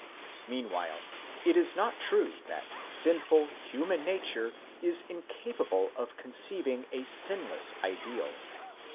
Meanwhile, it is not true that sinful human nature is incapable of conceiving a sinless ideal.